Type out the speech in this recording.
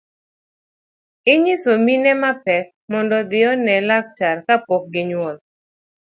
Inyiso mine mapek mondo odhi one laktar kapok ginyuol.